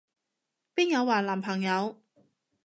邊有話男朋友？